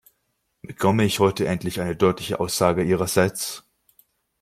Bekomme ich heute endlich eine deutliche Aussage Ihrerseits?